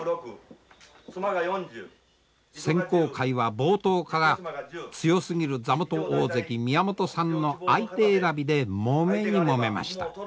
選考会は冒頭から強すぎる座元大関宮本さんの相手選びでもめにもめました。